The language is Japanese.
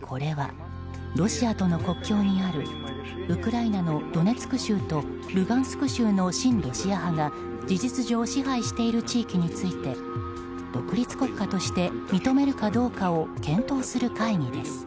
これはロシアとの国境にあるウクライナのドネツク州とルガンスク州の親ロシア派が事実上支配している地域について独立国家として認めるかどうかを検討する会議です。